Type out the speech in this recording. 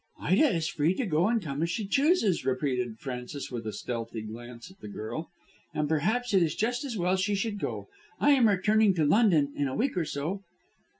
"Ida is free to go and come as she chooses," repeated Frances with a stealthy glance at the girl. "And perhaps it is just as well she should go. I am returning to London in a week or so."